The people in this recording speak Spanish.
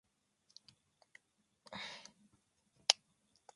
Se resolvieron los conflictos, que casi lo hacen desaparecer.